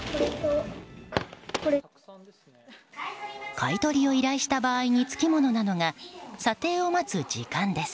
買い取りを依頼した場合につきものなのが査定を待つ時間です。